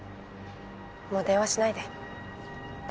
もう電話しないで。